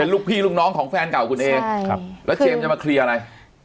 ลูกพี่ลูกน้องของแฟนเก่าคุณเอใช่ครับแล้วเจมส์จะมาเคลียร์อะไร